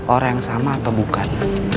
orang yang sama atau bukan